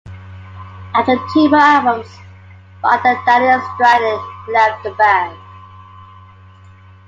After two more albums Rod and Danny Stradling left the band.